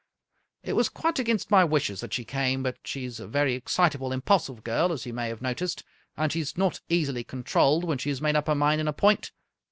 It was quite against my wishes that she came, but she is a very excitable, impulsive girl, as you may have noticed, and she is not easily controlled when she has made up her mind on a point.